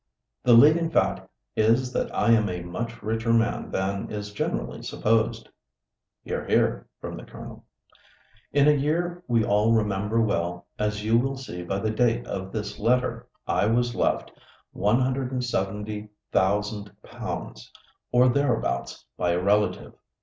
"The leading fact is that I am a much richer man than is generally supposed." ("Hear, hear," from the Colonel.) "In a year we all remember well, as you will see by the date of this letter, I was left £170,000 or thereabouts by a relative.